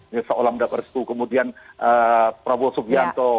nielsa olamda perstu kemudian prabowo subianto